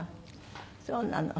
そうなの。